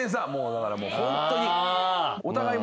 だからホントに。